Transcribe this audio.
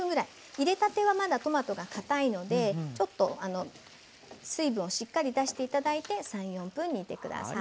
入れたてはまだトマトがかたいので水分をしっかり出して頂いて３４分煮て下さい。